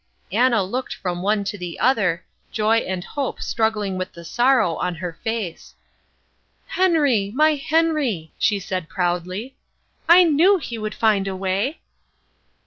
Anna looked from one to the other, joy and hope struggling with the sorrow in her face. "Henry, my Henry," she said proudly, "I knew he would find a way."